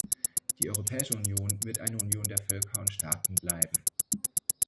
Die Europäische Union wird eine Union der Völker und Staaten bleiben.